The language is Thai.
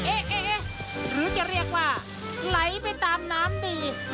เอ๊ะหรือจะเรียกว่าไหลไปตามน้ำดี